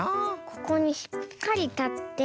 ここにしっかりたって。